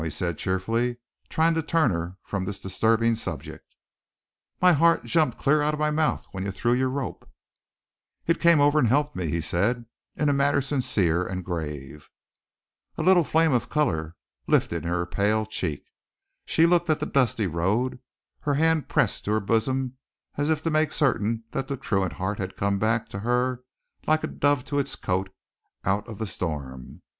he said, cheerfully, trying to turn her from this disturbing subject. "My heart jumped clear out of my mouth when you threw your rope!" "It came over and helped me," he said, in manner sincere and grave. A little flame of color lifted in her pale cheek. She looked at the dusty road, her hand pressed to her bosom as if to make certain that the truant heart had come back to her like a dove to its cote out of the storm.